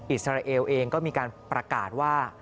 อิสราเอลเองก็มีการประกาศว่า